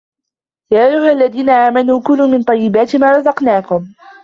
يَأَيُّهَا الَّذِينَ آمَنُوا كُلُوا مِنْ طَيِّبَاتِ مَا رَزَقْنَاكُمْ